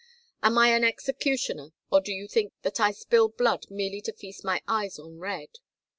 Am I an executioner, or do you think that I spill blood merely to feast my eyes on red?